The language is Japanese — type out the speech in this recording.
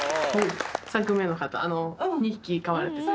３組目の方２匹飼われてた。